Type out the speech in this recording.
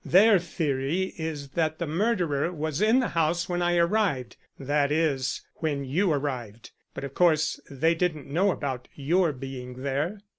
Their theory is that the murderer was in the house when I arrived that is, when you arrived but of course they didn't know about your being there.